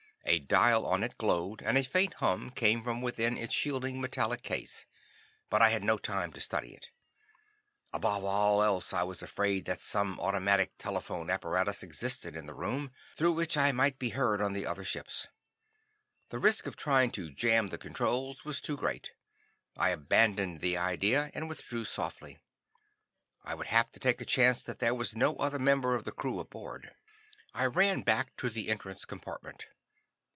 A dial on it glowed and a faint hum came from within its shielding metallic case. But I had no time to study it. Above all else, I was afraid that some automatic telephone apparatus existed in the room, through which I might be heard on the other ships. The risk of trying to jam the controls was too great. I abandoned the idea and withdrew softly. I would have to take a chance that there was no other member of the crew aboard. I ran back to the entrance compartment.